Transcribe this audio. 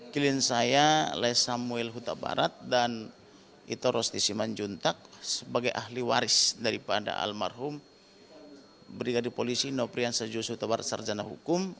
kiliin saya les samuel huta barat dan itorosti simanjuntak sebagai ahli waris daripada almarhum brigadipolisi novrian syah yusua huta barat sarjana hukum